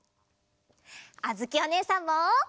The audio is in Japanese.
あづきおねえさんも！